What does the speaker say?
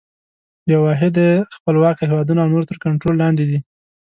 یوه واحده یې خپلواکه هیوادونه او نور تر کنټرول لاندي دي.